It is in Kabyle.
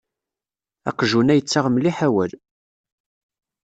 Aqjun-a yettaɣ mliḥ awal.